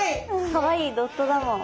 かわいいドットだもん。